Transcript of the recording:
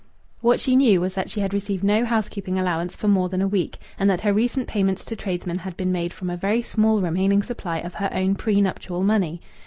What she knew was that she had received no house keeping allowance for more than a week, and that her recent payments to tradesmen had been made from a very small remaining supply of her own prenuptial money.